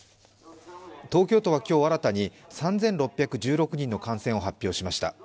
東京都は今日新たに３６１６人の感染を発表しました。